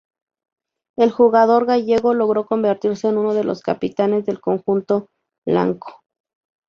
El jugador gallego logró convertirse en uno de los capitanes del conjunto blanco.